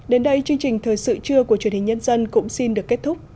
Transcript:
đến đây chương trình thời sự trưa của truyền hình nhân dân cũng xin được kết thúc